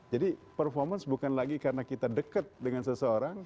jadi performance bukan lagi karena kita deket dengan seseorang